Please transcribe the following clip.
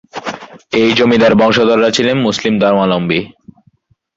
এই জমিদার বংশধররা ছিলেন মুসলিম ধর্মালম্বী।